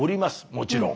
もちろん。